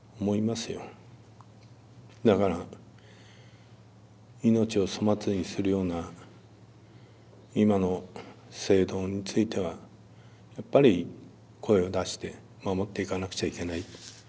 だから命を粗末にするような今の制度についてはやっぱり声を出して守っていかなくちゃいけない。